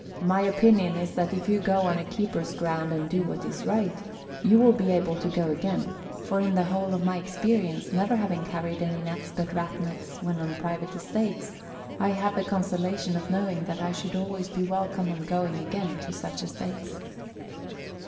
My opinion is that if you go on a keeper's ground and do what is right, you will be able to go again, for in the whole of my experience never having carried any nets but Rat nets when on private estates, I have the consolation of knowing that I should always be welcome on going again to such estates.